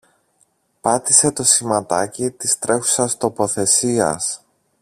Πάτησε το σηματάκι της τρέχουσας τοποθεσίας